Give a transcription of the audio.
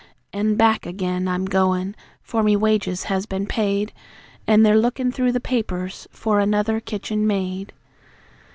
An' back again I'm goin' (for me wages has been paid, An' they're lookin' through the papers for another kitchen maid).